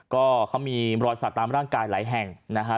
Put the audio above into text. ก็เขามีรอยสักตามร่างกายหลายแห่งนะฮะ